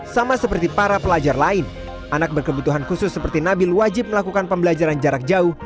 sama seperti para pelajar lain anak berkebutuhan khusus seperti nabil wajib melakukan pembelajaran jarak jauh